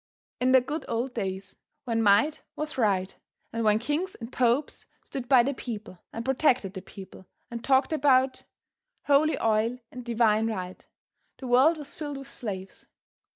In the good old days when might was right and when kings and popes stood by the people, and protected the people, and talked about "holy oil and divine right," the world was filled with slaves.